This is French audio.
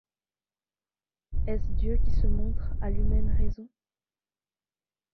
Est-ce Dieu qui se. montre à l’humaine raison ?